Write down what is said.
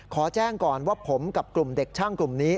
ขอแจ้งก่อนว่าผมกับกลุ่มเด็กช่างกลุ่มนี้